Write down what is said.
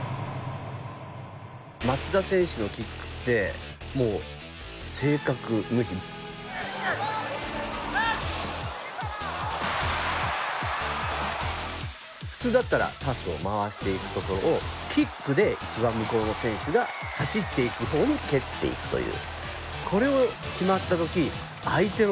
松田選手のキックってもう普通だったらパスを回していくところをキックで一番向こうの選手が走っていく方に蹴っていくという。